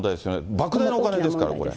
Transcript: ばく大なお金ですから、これ。